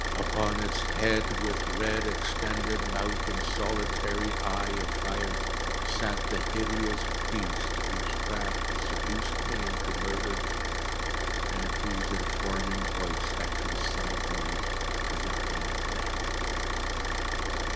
Upon its head, with red extended mouth and solitary eye of fire, sat the hideous beast whose craft had seduced me into murder, and whose informing voice had consigned me to the hangman.